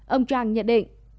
ông chang nhận định